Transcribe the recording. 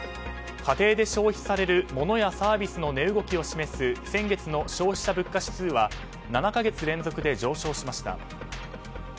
家庭で消費される物やサービスの値動きを示す先月の消費者物価指数は７か月連続で上昇しました。